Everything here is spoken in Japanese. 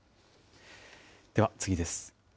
では次です。